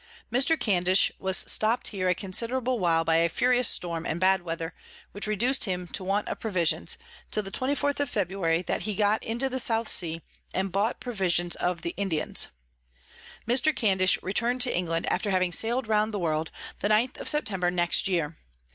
Mr. Candish was stop'd here a considerable while by a furious Storm and bad Weather, which reduc'd him to Want of Provisions, till the 24_th_ of February that he got into the South Sea, and bought Provisions of the Indians. Mr. Candish return'd to England, after having sail'd round the World, the 9_th of September_ next Year.